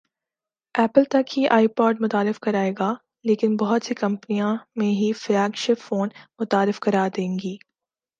apple تک ہی iPod متعارف کرائے گا لیکن بہت سی کمپنیاں میں ہی فلیگ شپ فون متعارف کرا دیں گی